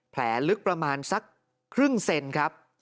แผลลึกประมาณสักครึ่งเซนครับ